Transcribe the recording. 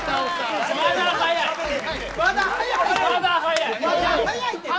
まだ早い。